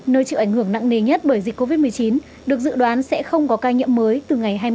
nơi chịu ảnh hưởng nặng nề nhất bởi dịch covid một mươi chín được dự đoán sẽ không có ca nhiễm mới từ ngày hai mươi